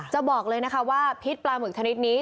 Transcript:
จะบอกเลยนะคะว่าพิษปลาหมึกชนิดนี้